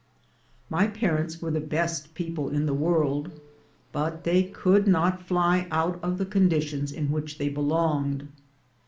My, parents were the best people in the world, but they could not fly out of the conditions in which they belonged.